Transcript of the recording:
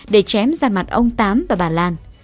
để chém ra mặt ông tám và bà lan